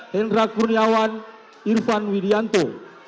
hendra kurniawan irfan widianto